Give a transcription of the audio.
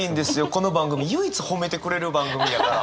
この番組唯一褒めてくれる番組やから。